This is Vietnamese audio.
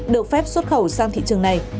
được phép xuất khẩu sang thị trường này